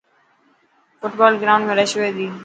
فٽبال گروائنڊ ۾ رش هئي تي.